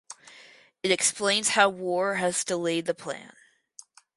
It explains how war has delayed the plan.